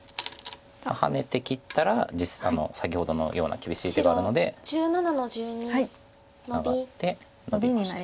ハネて切ったら先ほどのような厳しい手があるのでマガってノビました。